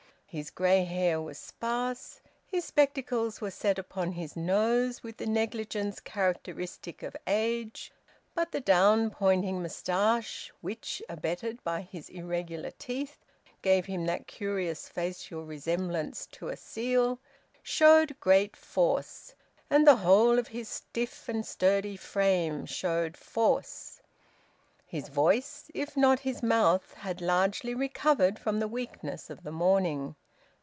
His grey hair was sparse; his spectacles were set upon his nose with the negligence characteristic of age; but the down pointing moustache, which, abetted by his irregular teeth, gave him that curious facial resemblance to a seal, showed great force, and the whole of his stiff and sturdy frame showed force. His voice, if not his mouth, had largely recovered from the weakness of the morning.